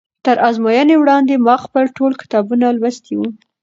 تر ازموینې وړاندې ما خپل ټول کتابونه لوستي وو.